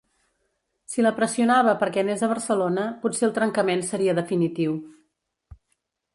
Si la pressionava perquè anés a Barcelona potser el trencament seria definitiu.